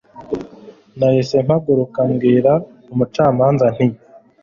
Nahise mpaguruka mbwira umucamanza nti